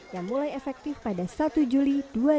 yang mulai efektif pada satu juli dua ribu dua puluh